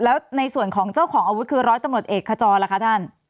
แล้วในส่วนของเจ้าอาวุธคือร้อยตะหมดเอกคจรท่าน